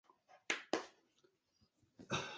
是当地的一个重要的文化中心。